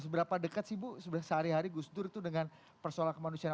seberapa dekat sih bu sehari hari gus dur itu dengan persoalan kemanusiaan